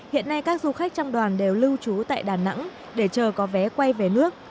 hiện nay các du khách trong đoàn đều lưu trú tại đà nẵng để chờ có vé quay về nước